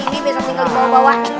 ini besok tinggal gue bawa bawain